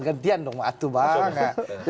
gantian dong waktu banget